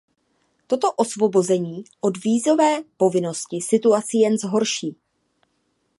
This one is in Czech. Toto osvobození od vízové povinnosti situaci jen zhorší.